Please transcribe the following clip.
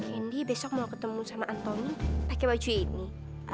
hendy besok mau ketemu sama antoni pakai baju ini